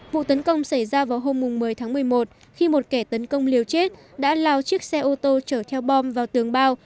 vụ tấn công xảy ra vào hôm một mươi tháng một mươi một khi một kẻ tấn công liều chết đã lao chiếc xe ô tô chở theo bom vào tường bao